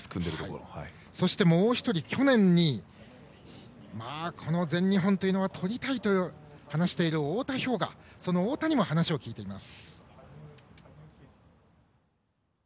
そしてもう１人去年２位、この全日本をとりたいと話している太田彪雅、その太田にも話を聞いています。